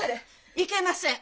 いけません！